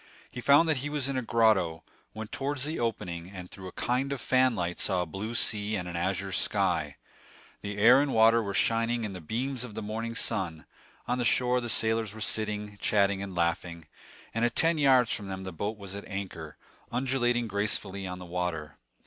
He found that he was in a grotto, went towards the opening, and through a kind of fanlight saw a blue sea and an azure sky. The air and water were shining in the beams of the morning sun; on the shore the sailors were sitting, chatting and laughing; and at ten yards from them the boat was at anchor, undulating gracefully on the water.